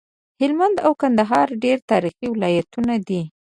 هلمند او کندهار ډير تاريخي ولايتونه دي